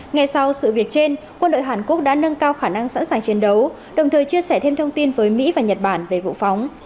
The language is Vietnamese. ngay sau sự việc trên quân đội hàn quốc đã nâng cao khả năng sẵn sàng chiến đấu đồng thời chia sẻ thêm thông tin với mỹ và nhật bản về vụ phóng